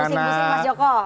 jangan musik musik mas joko